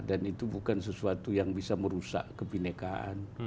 dan itu bukan sesuatu yang bisa merusak kebinekaan